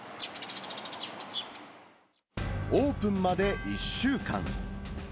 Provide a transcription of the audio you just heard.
オープンまで１週間。